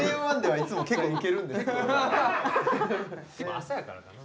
朝やからな。